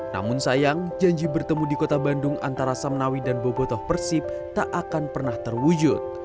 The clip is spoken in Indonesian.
namun sayang janji bertemu di kota bandung antara samnawi dan bobotoh persib tak akan pernah terwujud